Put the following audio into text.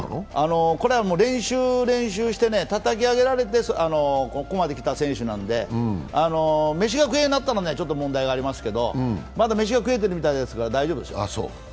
これは練習、練習してたたき上げられてここまできた選手なんで飯が食えなくなったらちょっと問題ありますけどまだ飯が食えてるみたいだから大丈夫でしょう。